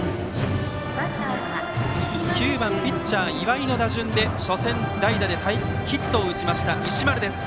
９番ピッチャー、岩井の打順で初戦、代打でヒットを打ちました石丸です。